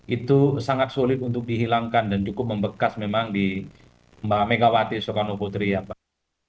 itu sangat sulit untuk dihilangkan dan cukup membekas memang di mbak megawati soekarno putri ya pak